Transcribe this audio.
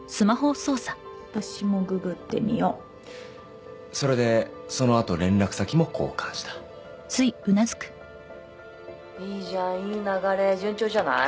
私もググってみようそれでそのあと連絡先も交換した「いいじゃんいい流れ順調じゃない？」